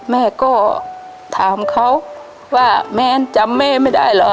แม่ก็ถามเขาว่าแมนจำแม่ไม่ได้เหรอ